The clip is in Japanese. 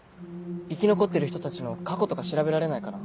生き残ってる人たちの過去とか調べられないかな？